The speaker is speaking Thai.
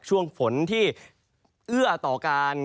ช่วงฝนที่เอื้อต่อการ